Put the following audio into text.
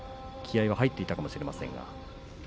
相当気合いが入っていたかもしれません。